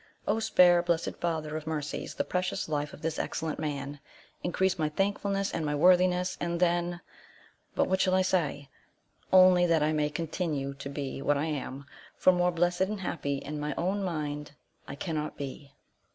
O spare, blessed Father of Mercies, the precious life of this excellent man; increase my thankfulness, and my worthiness; and then But what shall I say? Only that I may continue to be what I am; for more blessed and happy, in my own mind, I cannot be.